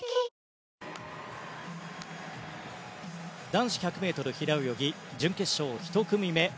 男子１００ｍ平泳ぎ準決勝１組目。